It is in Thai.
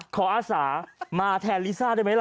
อาสามาแทนลิซ่าได้ไหมล่ะ